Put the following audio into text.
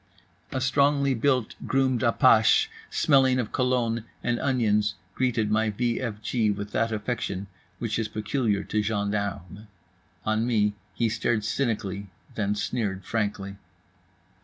A strongly built, groomed apache smelling of cologne and onions greeted my v f g with that affection which is peculiar to gendarmes. On me he stared cynically, then sneered frankly.